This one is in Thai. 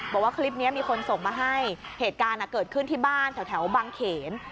บอกว่าคลิปนี้มีคนส่งมาให้เหตุการณ์เกิดขึ้นที่บ้านแถวบางเขน